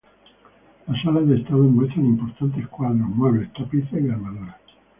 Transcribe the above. Las salas de estado muestran importantes cuadros, muebles, tapices y armaduras.